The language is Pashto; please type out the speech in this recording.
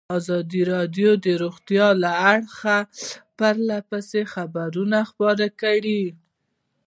ازادي راډیو د روغتیا په اړه پرله پسې خبرونه خپاره کړي.